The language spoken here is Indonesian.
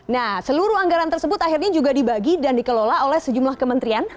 nah seluruh anggaran tersebut akhirnya juga dibagi dan dikelola oleh sejumlah kementerian